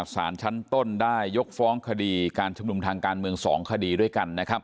สารชั้นต้นได้ยกฟ้องคดีการชลุมถังการเมืองสองคดีด้วยกัน